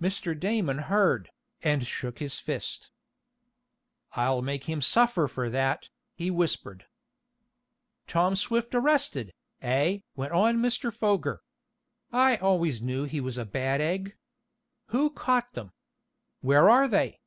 Mr. Damon heard, and shook his fist. "I'll make him suffer for that," he whispered. "Tom Swift arrested, eh?" went on Mr. Foger. "I always knew he was a bad egg. Who caught them? Where are they?"